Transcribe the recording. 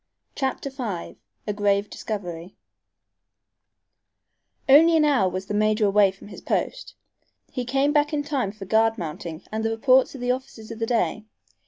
CHAPTER V A GRAVE DISCOVERY Only an hour was the major away from his post. He came back in time for guard mounting and the reports of the officers of the day.